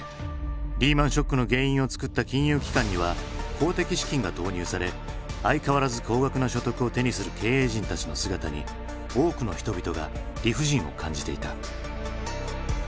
リーマンショックの原因を作った金融機関には公的資金が投入され相変わらず高額な所得を手にする経営陣たちの姿に多くの人々が理不尽を感じていた。